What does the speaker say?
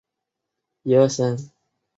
迈耶狸藻为狸藻属似多年中型食虫植物。